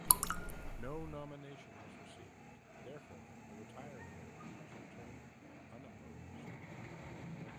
No nomination was received therefore the retiring member was returned unopposed.